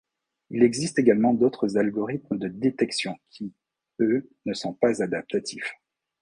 Il existe également d'autres algorithmes de détection qui, eux, ne sont pas adaptatifs.